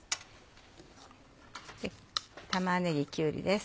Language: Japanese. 玉ねぎきゅうりです。